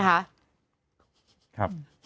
ครับ